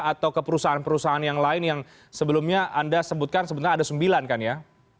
atau ke perusahaan perusahaan yang lain yang sebelumnya anda sebutkan sebenarnya ada sembilan kan ya